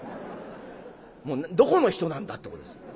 もうどこの人なんだっていうことです。